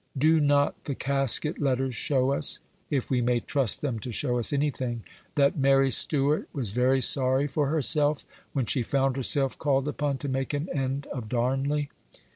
Do not the Casket letters show us if we may trust them to show us anything that Mary Stuart was very sorry for herself when she found herself called upon to make an end of Darnley?